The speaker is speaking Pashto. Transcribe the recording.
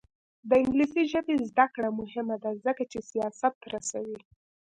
د انګلیسي ژبې زده کړه مهمه ده ځکه چې سیاست رسوي.